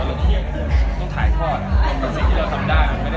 การทำตัวผมเองแบบจัดการได้โอเค